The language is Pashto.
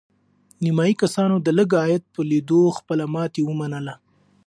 نیمایي کسانو د لږ عاید په لیدو خپله ماتې ومنله.